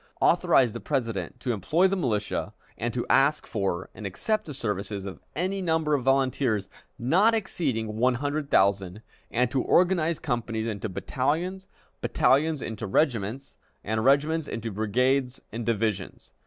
authorized the President to employ the militia, and to ask for and accept the services of any number of volunteers, not exceeding one hundred thousand, and to organize companies into battalions, battalions into regiments, and regiments into brigades and divisions.